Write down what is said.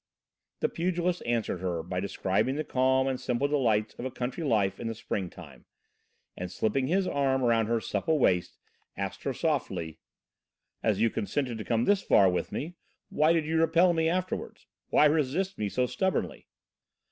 The pugilist answered her by describing the calm and simple delights of a country life in the springtime, and, slipping his arm round her supple waist, asked her softly: "As you consented to come this far with me, why did you repel me afterwards? Why resist me so stubbornly?"